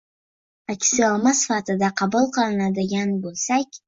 aksioma sifatida qabul qiladigan bo‘lsak